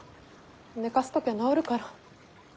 寝かせときゃ治るから。